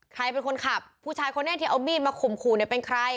ใครเป็นคนขับผู้ชายคนนี้ที่เอามีดมาข่มขู่เนี่ยเป็นใคร